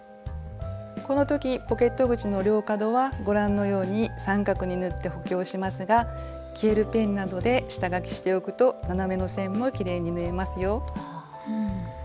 この時ポケット口の両角はご覧のように三角に縫って補強しますが消えるペンなどで下書きしておくと斜めの線もきれいに縫えますよ。